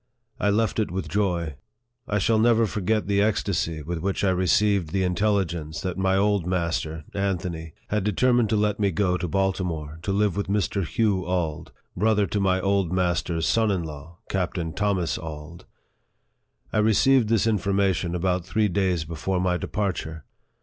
I left it with joy. I shall never forget the ecstasy with which I re ceived the intelligence that my old master (Anthony) had determined to let me go to Baltimore, to live with Mr. Hugh Auld, brother to my old master's son in law, Captain Thomas Auld. I received this information about three days before my departure.